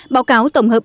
báo cáo tổng hợp